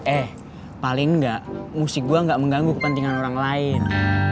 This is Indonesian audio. eh paling nggak musik gue gak mengganggu kepentingan orang lain